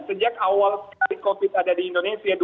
sejak awal sekali covid ada di indonesia